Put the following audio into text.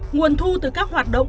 nguồn thu từ các hoạt động